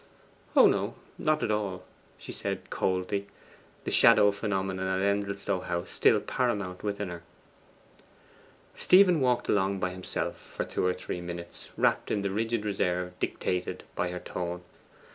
'Oh no, not at all,' replied she coldly; the shadow phenomenon at Endelstow House still paramount within her. Stephen walked along by himself for two or three minutes, wrapped in the rigid reserve dictated by her tone.